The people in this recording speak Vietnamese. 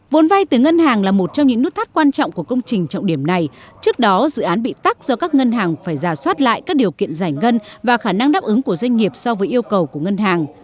vốn vay từ ngân hàng là một trong những nút thắt quan trọng của công trình trọng điểm này trước đó dự án bị tắt do các ngân hàng phải giả soát lại các điều kiện giải ngân và khả năng đáp ứng của doanh nghiệp so với yêu cầu của ngân hàng